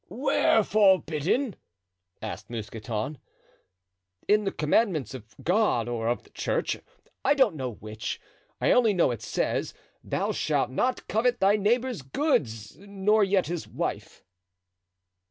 "Where forbidden?" asked Mousqueton. "In the commandments of God, or of the church, I don't know which. I only know it says, 'Thou shalt not covet thy neighbor's goods, nor yet his wife.